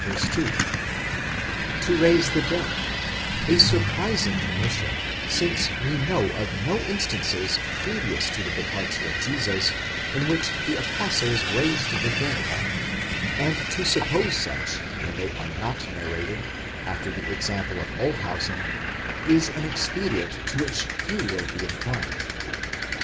2), to raise the dead: a surprising commission, since we know of no instances previous to the departure of Jesus, in which the apostles raised the dead; and to suppose such when they are not narrated, after the example of Olshausen, is an expedient to which few will be inclined.